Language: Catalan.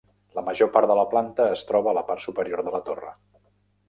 La major part de la planta es troba a la part superior de la torre.